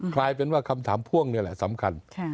กลายเป็นว่าคำถามพ่วงนี่แหละสำคัญ